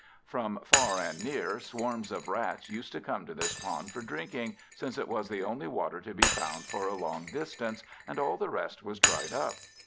From far and near swarms of Rats used to come to this pond for drinking, since it was the only water to be found for a long distance, and all the rest was dried up.